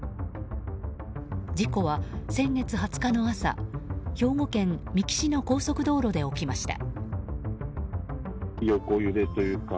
事故は、先月２０日の朝兵庫県三木市の高速道路で起きました。